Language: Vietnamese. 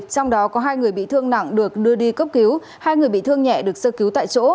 trong đó có hai người bị thương nặng được đưa đi cấp cứu hai người bị thương nhẹ được sơ cứu tại chỗ